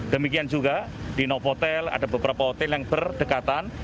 demikian juga di novotel ada beberapa hotel yang berdekatan